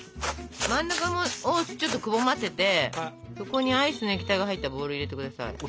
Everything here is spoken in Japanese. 真ん中をちょっとくぼませてそこにアイスの液体が入ったボウルを入れて下さい。